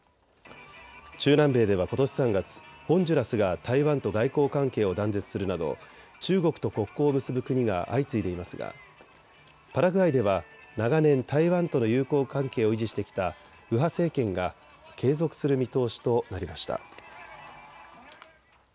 中南米ではことし３月、ホンジュラスが台湾と外交関係を断絶するなど中国と国交を結ぶ国が相次いでいますがパラグアイでは長年、台湾との友好関係を維持してきた右派政権が継続する見通しとなりました。